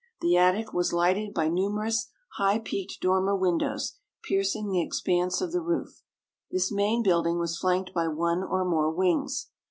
The attic was lighted by numerous, high peaked dormer windows, piercing the expanse of the roof. This main building was flanked by one or more wings.